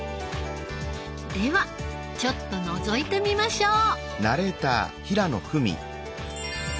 ではちょっとのぞいてみましょう。